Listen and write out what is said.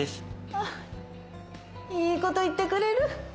あっいい事言ってくれる。